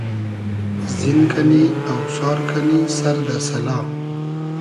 زین کئنی , اۆسار کئنی سئر دۂ سئلا